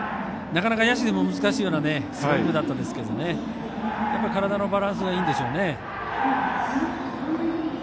なかなか野手でも難しいようなスローイングでしたが体のバランスがいいんでしょうね。